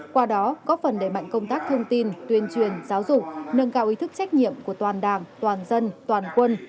qua đó có phần đẩy mạnh công tác thông tin tuyên truyền giáo dục nâng cao ý thức trách nhiệm của toàn đảng toàn dân toàn quân